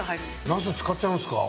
なす使っちゃいますか。